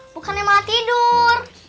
bukan emak tidur